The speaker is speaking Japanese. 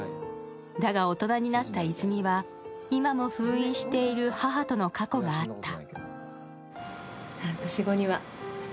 だが、大人になった泉は今も封印している母との過去があった。